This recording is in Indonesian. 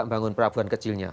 membangun pelabuhan kecilnya